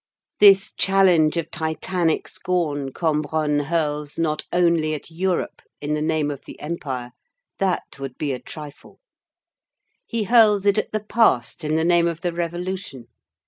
This challenge of titanic scorn Cambronne hurls not only at Europe in the name of the Empire,—that would be a trifle: he hurls it at the past in the name of the Revolution.